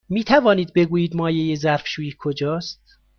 می توانید بگویید مایع ظرف شویی کجاست؟